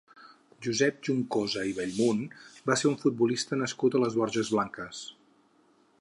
Josep Juncosa i Bellmunt va ser un futbolista nascut a les Borges Blanques.